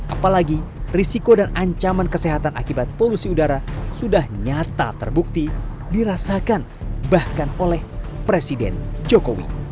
apalagi risiko dan ancaman kesehatan akibat polusi udara sudah nyata terbukti dirasakan bahkan oleh presiden jokowi